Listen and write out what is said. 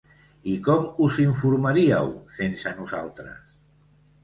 I com us informaríeu, sense nosaltres?